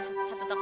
saat aja ah